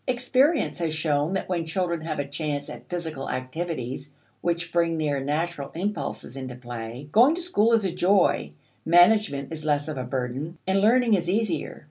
Experience has shown that when children have a chance at physical activities which bring their natural impulses into play, going to school is a joy, management is less of a burden, and learning is easier.